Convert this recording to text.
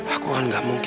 aku kan gak mungkin